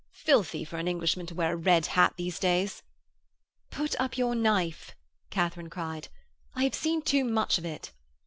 'Filthy for an Englishman to wear a red hat these days!' 'Put up your knife,' Katharine cried, 'I have seen too much of it.'